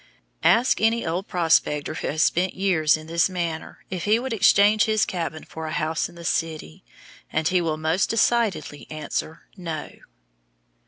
Ask any old prospector who has spent years in this manner if he would exchange his cabin for a house in the city, and he will most decidedly answer "no."